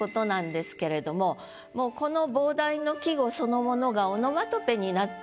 もうこの傍題の季語そのものがオノマトペになっていると。